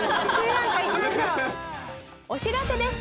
お知らせです。